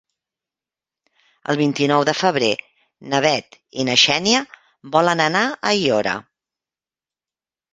El vint-i-nou de febrer na Bet i na Xènia volen anar a Aiora.